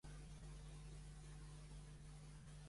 La bandera ha rebut diverses condecoracions.